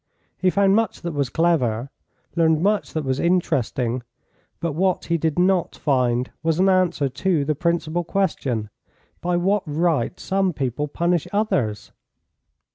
He found much that was clever, learned much that was interesting, but what he did not find was an answer to the principal question: By what right some people punish others?